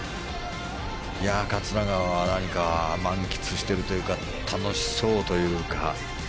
桂川は、満喫しているというか楽しそうというか。